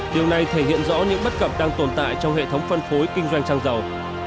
điều này thể hiện rõ những bất cập đang tồn tại trong hệ thống phân phối kinh doanh xăng dầu